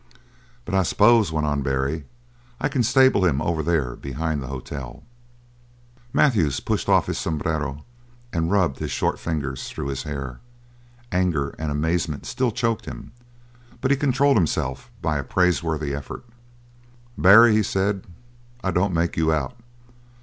"But I s'pose," went on Barry, "I can stable him over there behind the hotel." Matthews pushed off his sombrero and rubbed his short fingers through his hair. Anger and amazement still choked him, but he controlled himself by a praiseworthy effort. "Barry," he said, "I don't make you out.